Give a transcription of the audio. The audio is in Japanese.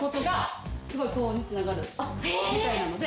みたいなので。